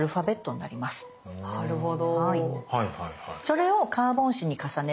なるほど。